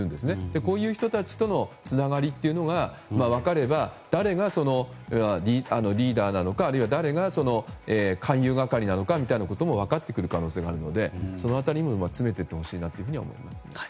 こういう人たちとのつながりが分かれば誰がリーダーなのかあるいは、誰が勧誘係なのかみたいなことも分かってくる可能性があるのでその辺りも詰めていってほしいと思います。